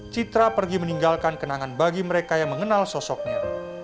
citra pergi meninggalkan kenangan bagi mereka yang mengenal sosoknya